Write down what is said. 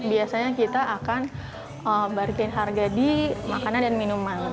biasanya kita akan balikin harga di makanan dan minuman